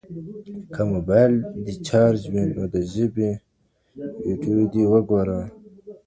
که موبایل دي چارج وي نو د ژبې ویډیو دي وګوره.